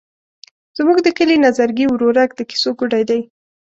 زموږ د کلي نظرګي ورورک د کیسو ګوډی دی.